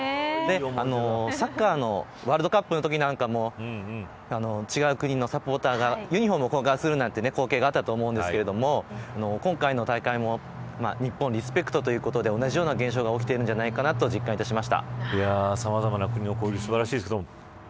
サッカーのワールドカップのときも違う国のサポーターがユニホームを交換するという光景があったと思うんですが今回の大会も日本をリスペクトということで同じような現象が起きているんじゃないかなと実感しました。